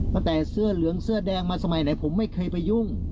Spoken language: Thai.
ตั้งแต่เสื้อเหลืองเสื้อแดงมาสมัยไหนผมไม่เคยไปยุ่ง